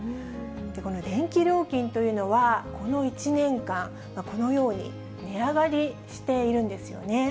この電気料金というのは、この１年間、このように値上がりしているんですよね。